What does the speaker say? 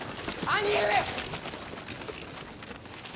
兄上！